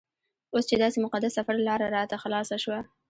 اوس چې داسې مقدس سفر لاره راته خلاصه شوه.